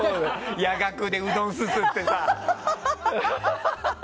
夜学でうどんすすってさ。